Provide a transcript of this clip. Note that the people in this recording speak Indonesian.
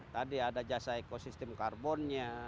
tadi ada jasa ekosistem karbonnya